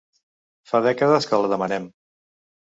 Fa dècades que la demanem.